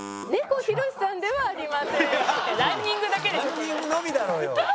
ランニングのみだろうよ。